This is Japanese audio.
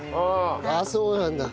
ああそうなんだ。